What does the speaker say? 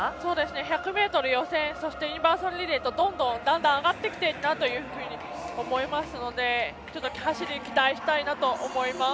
１００ｍ予選そしてユニバーサルリレーとだんだん上がってきているなと思いますので走りに期待したいなと思います。